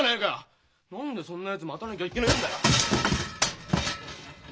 何でそんなやつ待たなきゃいけねえんだよ。